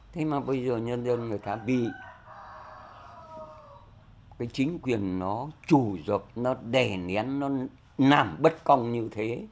thế mà bây giờ nhân dân người ta bị chính quyền nó chủ dục nó đè nén nó làm bất công như thế